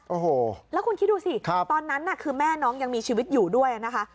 โอ้โหแล้วคุณคิดดูสิตอนนั้นน่ะคือแม่น้องยังมีชีวิตอยู่ด้วยนะคะ